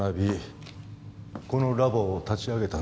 このラボを立ち上げたんです。